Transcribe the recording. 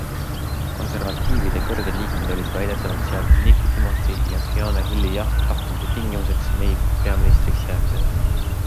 Konservatiivide kõrged liikmed olid väidetavalt seadnud Nick Timothy ja Fiona Hilli lahkumise tingimuseks May peaministriks jäämisele.